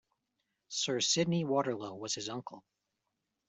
Sir Sydney Waterlow was his uncle.